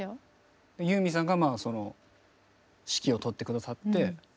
ユーミンさんが指揮を執って下さって。